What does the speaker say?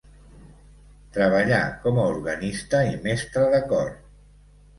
Treballà com a organista i mestre de cor.